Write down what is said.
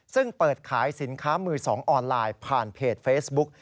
ซึ่งเปิดขายสินค้ามือ๒ออนไลน์ผ่านเพจเฟซบุ๊ก